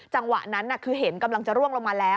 จังหวะนั้นคือเห็นกำลังจะร่วงลงมาแล้ว